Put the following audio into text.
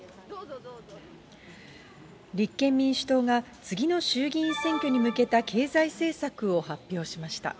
立憲民主党が、次の衆議院選挙に向けた経済政策を発表しました。